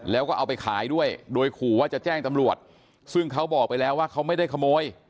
แล้วก็เอาไปขายด้วยโดยขู่ว่าจะแจ้งตำรวจซึ่งเขาบอกไปแล้วว่าเขาไม่ได้ขโมย